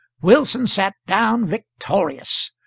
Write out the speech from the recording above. Wilson sat down victorious.